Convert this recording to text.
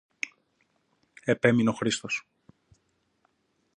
επέμεινε ο Χρήστος.